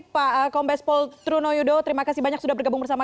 pak kombes pol truno yudo terima kasih banyak sudah bergabung bersama